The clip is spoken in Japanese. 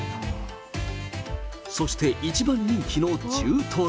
そして、一番人気の中トロ。